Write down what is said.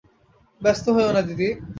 ব্যস্ত হোয়ে না দিদি।